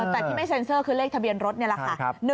แต่ที่ไม่เซ็นเซอร์คือเลขทะเบียนรถนี่แหละค่ะ